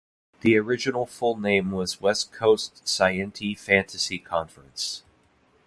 The original full name was West Coast Scienti-Fantasy Conference.